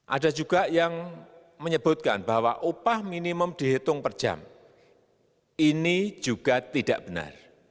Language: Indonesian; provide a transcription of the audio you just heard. ada juga yang menyebutkan bahwa upah minimum dihitung per jam ini juga tidak benar